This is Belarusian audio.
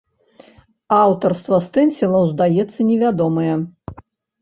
Аўтарства стэнсілаў застаецца невядомае.